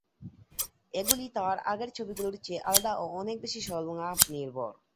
এগুলি তার আগের ছবিগুলির চেয়ে আলাদা ও অনেক বেশি সংলাপনির্ভর।